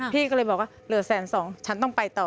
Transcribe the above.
พี่ก็เลยบอกว่าเหลือแสนสองฉันต้องไปต่อ